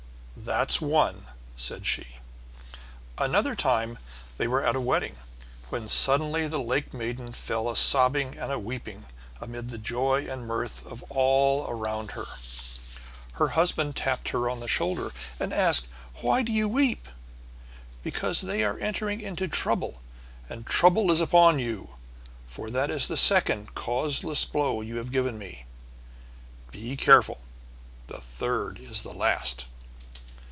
"That's one," said she. Another time they were at a wedding, when suddenly the lake maiden fell a sobbing and a weeping, amid the joy and mirth of all around her. Her husband tapped her on the shoulder, and asked her, "Why do you weep?" "Because they are entering into trouble; and trouble is upon you; for that is the second causeless blow you have given me. Be careful; the third is the last."